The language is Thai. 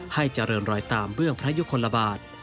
ให้เจริญรอยตามเบื้องพระยุคลบาท